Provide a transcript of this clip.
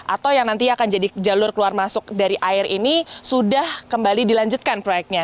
atau yang nanti akan jadi jalur keluar masuk dari air ini sudah kembali dilanjutkan proyeknya